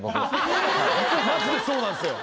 まじでそうなんすよ。